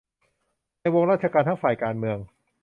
ในวงราชการทั้งฝ่ายการเมือง